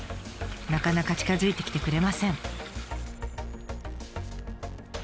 なかなか近づいてきてくれません。